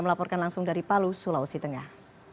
melaporkan langsung dari palu sulawesi tengah